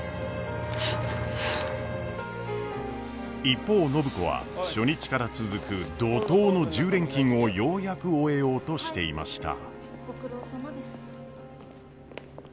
一方暢子は初日から続く怒とうの１０連勤をようやく終えようとしていました。